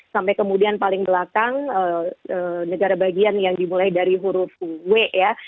sampai kemudian paling belakang negara bagian yang dimulai dari huruf w ya